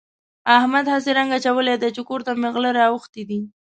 احمد هسې رنګ اچولی دی چې کور ته مې غله راوښتي دي.